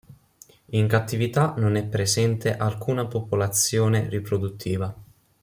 In cattività non è presente alcuna popolazione riproduttiva.